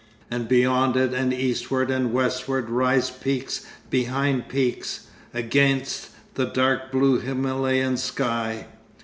And beyond it and eastward and westward rise peaks behind peaks, against the dark blue Himalayan sky.